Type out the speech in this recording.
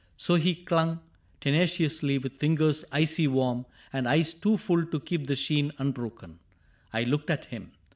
So he clung, Tenaciously, with fingers icy warm. And eyes too full to keep the sheen unbroken. I looked at him.